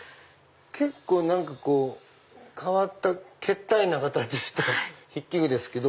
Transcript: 結構変わったけったいな形した筆記具ですけど。